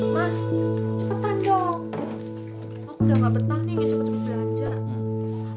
mas cepetan dong aku udah gak betah nih kita cepet cepet belanja